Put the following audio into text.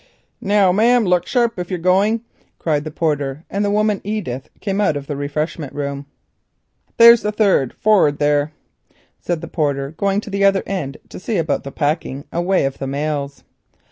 "Now, mam, look sharp if you're going," cried the porter, and the woman Edith came out of the refreshment room. "There's the third, forrard there," said the porter, running to the van to see about the packing of the mails.